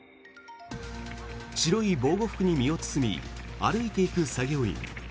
白い防護服に身を包み歩いていく作業員。